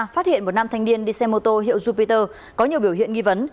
phát hiện một nam thanh niên đi xe mô tô hiệu jupiter có nhiều biểu hiện nghi vấn